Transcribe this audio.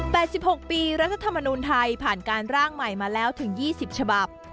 สิบหกปีรัฐธรรมนูลไทยผ่านการร่างใหม่มาแล้วถึงยี่สิบฉบับ